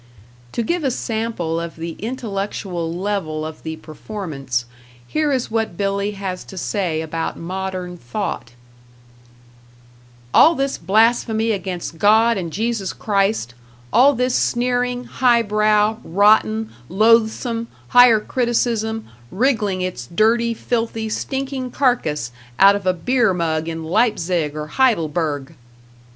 To give a sample of the intellectual level of the performance, here is what Billy has to say about modern thought: All this blasphemy against God and Jesus Christ, all this sneering, highbrow, rotten, loathesome, higher criticism, wriggling its dirty, filthy, stinking carcass out of a beer mug in Leipzig or Heidelberg!